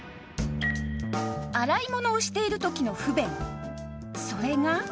洗い物をしている時の不便それが